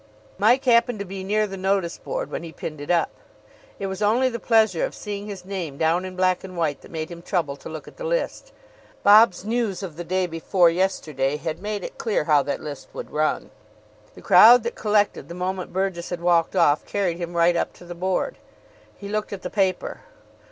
Mike happened to be near the notice board when he pinned it up. It was only the pleasure of seeing his name down in black and white that made him trouble to look at the list. Bob's news of the day before yesterday had made it clear how that list would run. The crowd that collected the moment Burgess had walked off carried him right up to the board. He looked at the paper.